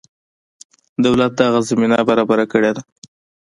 دولت دغه زمینه برابره کړې ده.